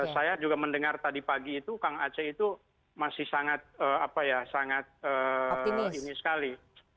saya juga mendengar tadi pagi itu kang aceh itu masih sangat ini sekali